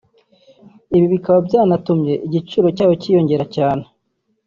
ibi bikaba byaratumye igiciro cyayo cyiyongera cyane